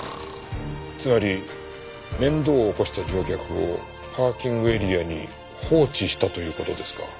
つまり面倒を起こした乗客をパーキングエリアに放置したという事ですか。